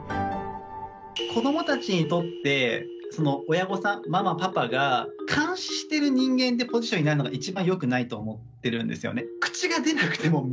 子どもたちにとってその親御さんママパパが監視してる人間ってポジションになるのが一番よくないと思ってるんですよね。